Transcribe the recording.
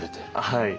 はい。